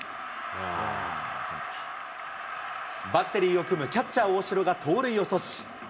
バッテリーを組むキャッチャー、大城が盗塁を阻止。